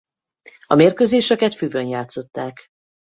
A mérkőzéseket füvön játszották.